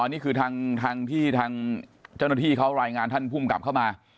นี่คือทางที่ทางเจ้าหน้าที่เขารายงานท่านภูมิกลับเข้ามา